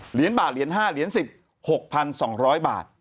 เหรียญบาทเหรียญ๕เหรียญ๑๖๒๐๐บาท